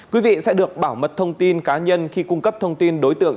quý vị sẽ được bảo mật thông tin cá nhân khi cung cấp thông tin đối tượng